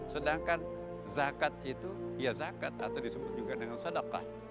sedangkan zakat itu ya zakat atau disebut juga dengan sadakah